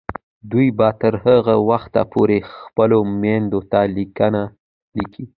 دوی به تر هغه وخته پورې خپلو میندو ته لیکونه لیکي.